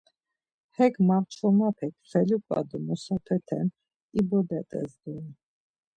Hek mamçomapek feluǩa do mosapete ibodet̆es doren.